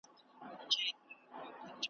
د افغان جرمن په ویب سایټ کي .